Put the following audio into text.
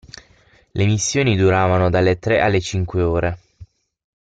Le missioni duravano dalle tre alle cinque ore.